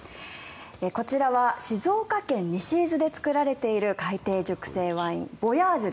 こちらは静岡県西伊豆で作られている海底熟成ワインＶＯＹＡＧＥです。